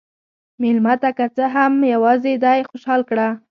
مېلمه ته که څه هم یواځې دی، خوشحال کړه.